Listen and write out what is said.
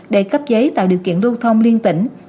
để cấp giấy tạo điều kiện lưu thông liên tỉnh